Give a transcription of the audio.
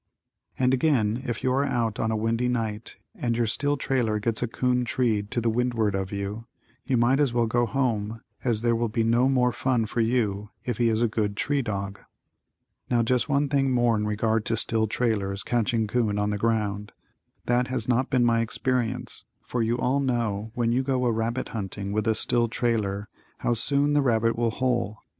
And again if you are out on a windy night and your still trailer gets a 'coon treed to the windward of you, you might as well go home as there will be no more fun for you if he is a good tree dog. Now just one thing more in regard to still trailers catching 'coon on the ground. That has not been my experience, for you all know when you go a rabbit hunting with a still trailer, how soon the rabbit will hole.